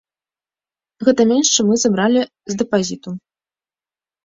Гэта менш, чым мы забралі з дэпазіту.